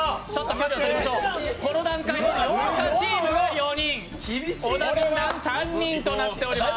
この段階で赤チーム４人、小田軍団、３人となっております。